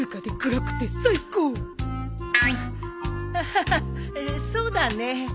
ハハハハそうだね。